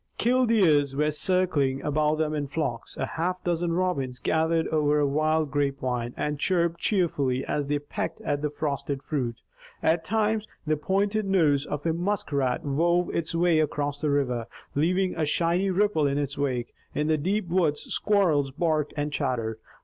Killdeers were circling above them in flocks. A half dozen robins gathered over a wild grapevine, and chirped cheerfully, as they pecked at the frosted fruit. At times, the pointed nose of a muskrat wove its way across the river, leaving a shining ripple in its wake. In the deep woods squirrels barked and chattered.